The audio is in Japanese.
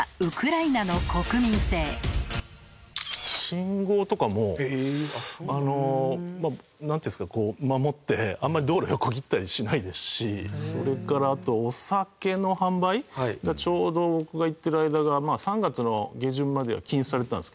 信号とかもなんていうんですかこう守ってあんまり道路横切ったりしないですしそれからあとお酒の販売がちょうど僕が行ってる間がまあ３月の下旬まで禁止されてたんですけど。